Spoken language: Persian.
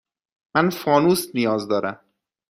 من فانوس نیاز دارم.